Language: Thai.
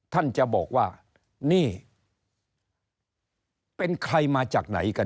ท่านจะบอกว่านี่เป็นใครมาจากไหนกัน